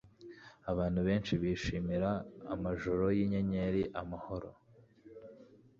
Abantu benshi bishimira amajoro yinyenyeri amahoro